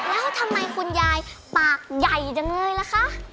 แล้วทำไมคุณยายปากใหญ่จังเลยล่ะคะ